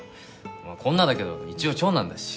俺こんなだけど一応長男だし。